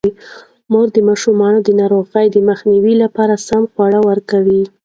مور د ماشومانو د ناروغۍ د مخنیوي لپاره سم خواړه ورکوي.